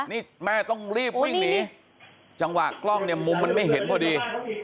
นี่แม่ต้องรีบวิ่งหนีจังหวะกล้องเนี่ยมุมมันไม่เห็นพอดี